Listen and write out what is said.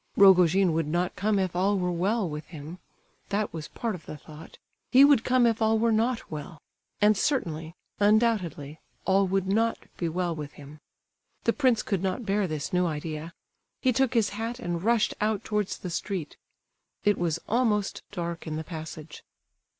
Rogojin would not come if all were well with him, that was part of the thought; he would come if all were not well; and certainly, undoubtedly, all would not be well with him. The prince could not bear this new idea; he took his hat and rushed out towards the street. It was almost dark in the passage.